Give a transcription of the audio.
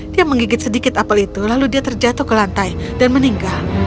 dia menggigit sedikit apel itu lalu dia terjatuh ke lantai dan meninggal